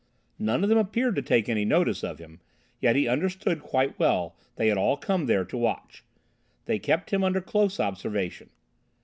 None of them appeared to take any notice of him; yet he understood quite well they had all come there to watch. They kept him under close observation.